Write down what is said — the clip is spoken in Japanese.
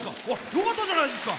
よかったじゃないですか。